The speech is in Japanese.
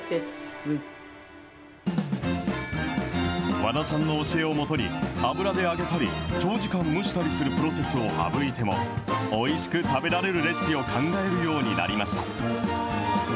和田さんの教えをもとに、油で揚げたり、長時間蒸したりするプロセスを省いても、おいしく食べられるレシピを考えるようになりました。